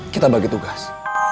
kita bagi tugas